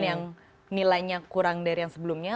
yang nilainya kurang dari yang sebelumnya